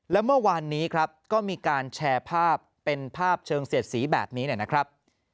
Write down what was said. และเมื่อวานนี้ครับก็มีการแชร์ภาพเป็นภาพเชิงเสียดสีแบบนี้นะครับ